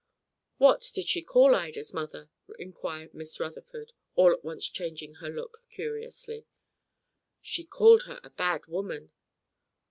"What did she call Ida's mother?" inquired Miss Rutherford, all at once changing her look curiously. "She called her a bad woman."